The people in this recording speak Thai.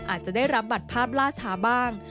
อาจจะได้รับบัตรภาพล่าช้าบ้าง